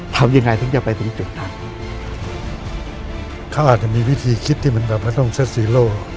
ทำยังไงถึงจะไปถึงจุดนั้นเขาอาจจะมีวิธีคิดที่มันแบบไม่ต้องเซ็ตซีโร่